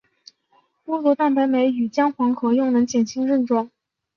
菠萝蛋白酶与姜黄合用能减轻症状。